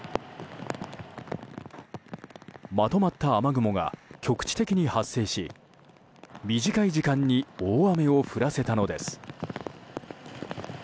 まとまった雨雲が局地的に発生し短い時間に大雨を降らせたのです。